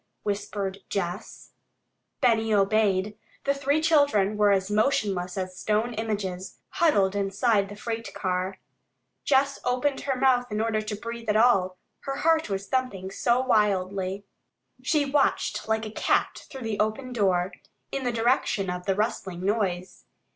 whispered Jess. Benny obeyed. The three children were as motionless as stone images, huddled inside the freight car. Jess opened her mouth in order to breathe at all, her heart was thumping so wildly. She watched like a cat through the open door, in the direction of the rustling noise.